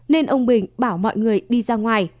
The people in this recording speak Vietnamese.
nên ông bình bảo mọi người đi ra ngoài